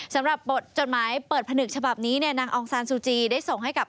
สำหรับบทจดหมายเปิดผนึกฉบับนี้เนี่ยนางอองซานซูจีได้ส่งให้กับ